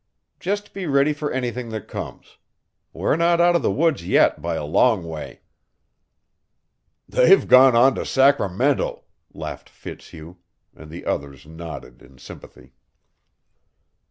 "Just be ready for anything that comes. We're not out of the woods yet, by a long way." "They've gone on to Sacramento," laughed Fitzhugh; and the others nodded in sympathy.